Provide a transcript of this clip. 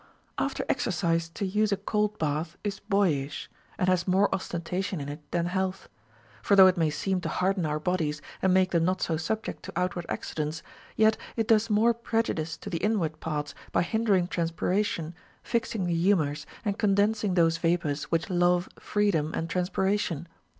17. After exercise to use a cold bath is boyish, and has more ostentation in it than health ; for though it may seem to harden our bodies and make them not so subject to out ward accidents, yet it does more prejudice to the inward parts, by hindering transpiration, fixing the humors, and condensing those vapors which love freedom and trans piration.